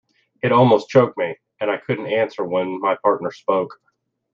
It almost choked me, and I couldn’t answer when my partner spoke.